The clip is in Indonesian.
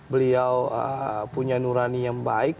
beliau punya nurani yang baik